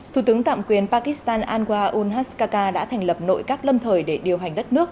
thủ tướng tạm quyền pakistan anwa unhaskaka đã thành lập nội các lâm thời để điều hành đất nước